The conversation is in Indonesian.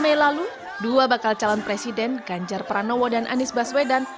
mei lalu dua bakal calon presiden ganjar pranowo dan anies baswedan